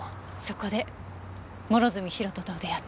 そこで諸角博人と出会った。